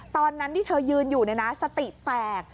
ตอนนั้นที่เธอยืนอยู่สติแตก